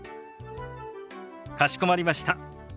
かしこまりました。